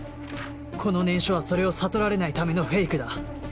この念書はそれを悟られないためのフェイクだ